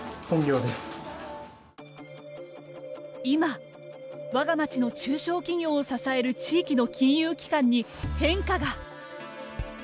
今、わが町の中小企業を支える地域の金融機関に変化が。